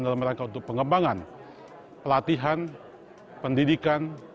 dalam rangka untuk pengembangan pelatihan pendidikan